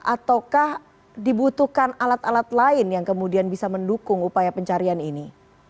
ataukah dibutuhkan alat alat lain yang kemudian bisa mendukung upaya pencarian ini